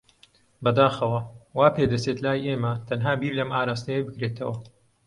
بەداخەوە، وا پێدەچێت لای ئێمە تەنها بیر لەم ئاراستەیە بکرێتەوە.